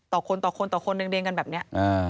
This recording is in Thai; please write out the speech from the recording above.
ต่อคนเรียงกันแบบนี้